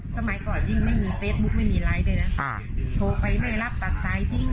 สมัยก่อนยิ่งไม่มีเฟซบุ๊คไม่มีไลค์ด้วยนะโทรไปไม่รับปากสายทิ้ง